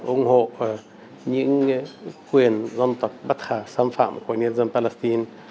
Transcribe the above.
ủng hộ những quyền dân tộc bất khả xâm phạm của nhân dân palestine